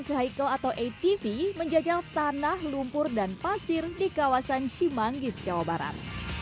vehicle atau atv menjajal tanah lumpur dan pasir di kawasan cimanggis jawa barat